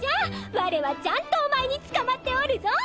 我はちゃんとおまえにつかまっておるぞ。